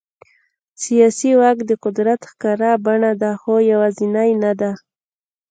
سیاسي واک د قدرت ښکاره بڼه ده، خو یوازینی نه دی.